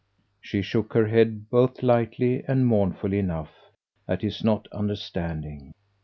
She shook her head both lightly and mournfully enough at his not understanding.